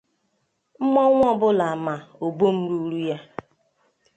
Mmọnwụ ọbụla ma obom ruuru ya